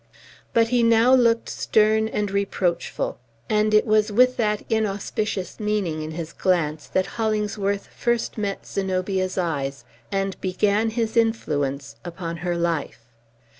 But he now looked stern and reproachful; and it was with that inauspicious meaning in his glance that Hollingsworth first met Zenobia's eyes, and began his influence upon her life.